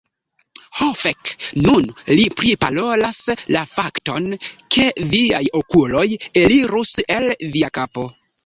Ho fek. Nun li priparolas la fakton, ke viaj okuloj elirus el via kapo.